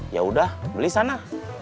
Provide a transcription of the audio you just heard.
yaudah beli sana